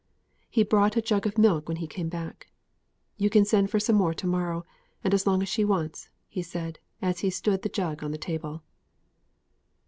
He brought a jug of milk when he came back. "You can send for some more to morrow, and as long as she wants it," he said, as he stood the jug on the table.